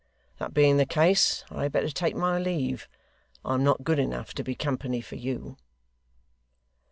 That being the case, I had better take my leave. I am not good enough to be company for you.